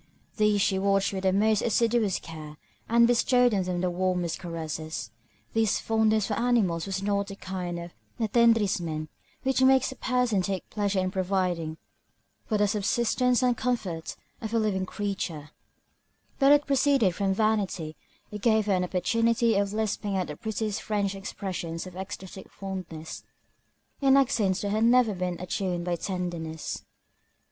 These she watched with the most assiduous care, and bestowed on them the warmest caresses. This fondness for animals was not that kind of attendrissement which makes a person take pleasure in providing for the subsistence and comfort of a living creature; but it proceeded from vanity, it gave her an opportunity of lisping out the prettiest French expressions of ecstatic fondness, in accents that had never been attuned by tenderness.